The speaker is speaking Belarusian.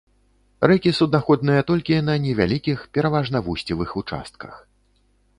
Рэкі суднаходныя толькі на невялікіх, пераважна вусцевых участках.